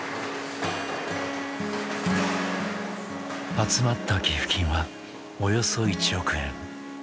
集まった寄付金はおよそ１億円。